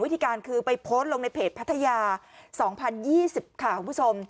วิธีการคือไปโพสต์ลงในเพจพัทยา๒๐๒๐ค่ะคุณผู้ชม